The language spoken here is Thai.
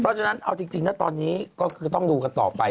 เพราะฉะนั้นเอาจริงนะตอนนี้ก็คือต้องดูกันต่อไป